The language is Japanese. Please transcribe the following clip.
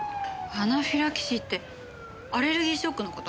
アナフィラキシーってアレルギーショックの事？